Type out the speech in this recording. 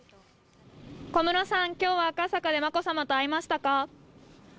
小室さん、今日は赤坂で眞子さまと会えましたか？